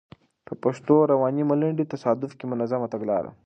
پر پښتو روانې ملنډې؛ تصادف که منظمه تګلاره؟